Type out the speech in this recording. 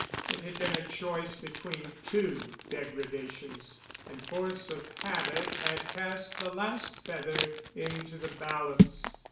It had been a choice between two degradations, and force of habit had cast the last feather into the balance.